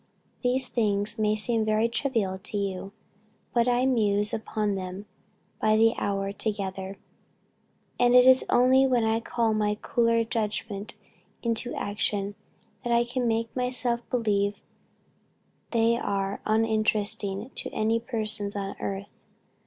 These things may seem very trivial to you, but I muse upon them by the hour together; and it is only when I call my cooler judgment into action, that I can make myself believe they are uninteresting to any person on earth.